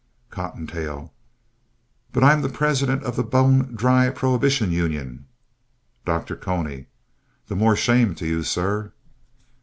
COTTONTAIL But I'm president of the Bone Dry Prohibition Union. Dr. Cony The more shame to you, sir.